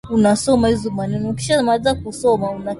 kuona kivutio cha kuvutia wakati moja ungefurahia